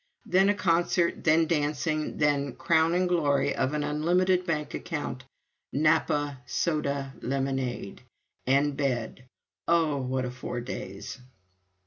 Then a concert, then dancing, then crowning glory of an unlimited bank account Napa soda lemonade and bed. Oh, what a four days!